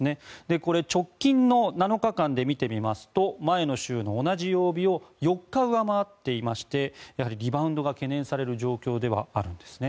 これ直近の７日間で見てみますと前の週の同じ曜日を４日上回っていましてやはりリバウンドが懸念される状況ではあるんですね。